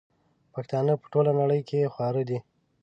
پښتانه په ټوله نړئ کي خواره دي